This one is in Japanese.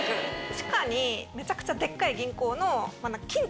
地下にめちゃくちゃデッカい銀行の金庫。